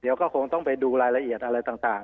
เดี๋ยวก็คงต้องไปดูรายละเอียดอะไรต่าง